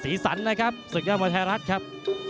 สันนะครับศึกยอดมวยไทยรัฐครับ